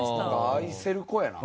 愛せる子やな